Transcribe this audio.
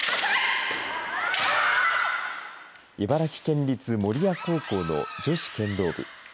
茨城県立守谷高校の女子剣道部。